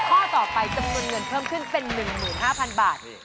ข้อต่อไปจำนวนเงินเพิ่มขึ้นเป็น๑๕๐๐๐บาท